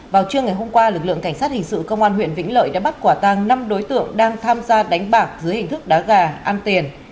vào trưa ngày hôm qua lực lượng cảnh sát hình sự công an huyện vĩnh lợi đã bắt quả tăng năm đối tượng đang tham gia đánh bạc dưới hình thức đá gà ăn tiền